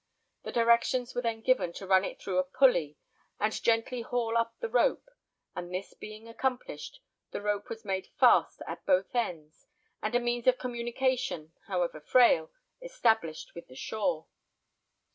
The directions were then given to run it through a pulley, and gently haul up the rope, and this being accomplished, the rope was made fast at both ends, and a means of communication, however frail, established with the shore.